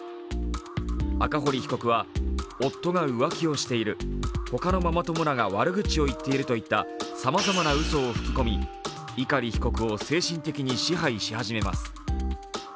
赤堀被告は夫が浮気をしている、他のママ友らが悪口を言っているといったさまざまなうそを吹き込み、碇被告を精神的に支配し始めます。